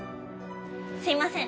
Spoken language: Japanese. すいません。